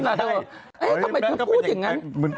ทำไมเธอพูดอย่างนั้น